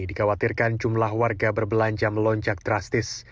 dikhawatirkan jumlah warga berbelanja melonjak drastis